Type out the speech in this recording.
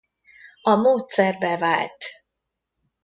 A módszer bevált.